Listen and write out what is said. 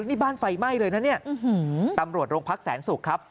นี่บ้านไฟไหม้เลยนะเนี่ยตำรวจโรงพักแสนศุกร์ครับ